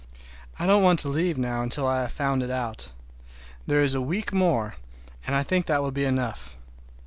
I don't want to leave now until I have found it out. There is a week more, and I think that will be enough.